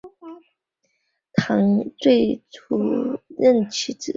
唐懿宗最初任其子张简会为留后。